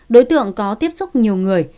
đối tượng có tiếp xúc nhiều người